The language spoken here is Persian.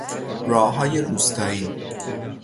راههای روستایی